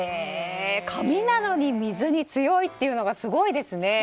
紙なのに水に強いってのがすごいですね。